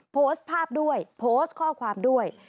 โพสต์ภาพด้วยโพสต์ข้อความด้วย